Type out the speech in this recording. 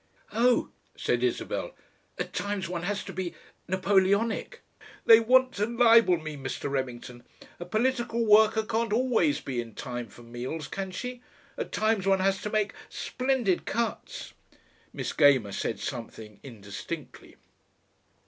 "Oh!" said Isabel. "At times one has to be Napoleonic. They want to libel me, Mr. Remington. A political worker can't always be in time for meals, can she? At times one has to make splendid cuts." Miss Gamer said something indistinctly.